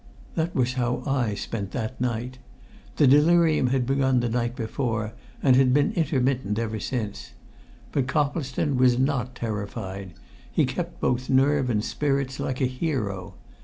That was how I spent that night. The delirium had begun the night before, and been intermittent ever since. But Coplestone was not terrified; he kept both nerve and spirits like a hero.